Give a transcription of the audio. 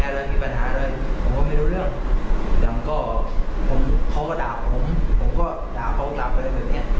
มาเจ็บตายตามันติดเลยครับมิดเลยเพราะที่ว่าโดนครับมันมี